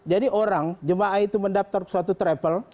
jadi orang jemaah itu mendaftar suatu travel